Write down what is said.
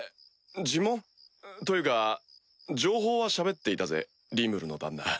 尋問？というか情報はしゃべっていたぜリムルの旦那。